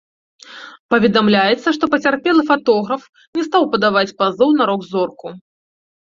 Паведамляецца, што пацярпелы фатограф не стаў падаваць пазоў на рок-зорку.